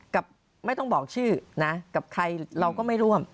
ไม่ต้องบอกชื่อนะกับใครเราก็ไม่ร่วม